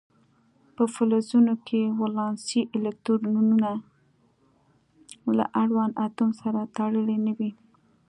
په فلزونو کې ولانسي الکترونونه له اړوند اتوم سره تړلي نه وي.